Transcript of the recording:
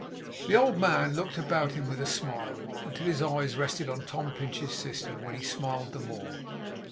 The old man looked about him, with a smile, until his eyes rested on Tom Pinch's sister; when he smiled the more.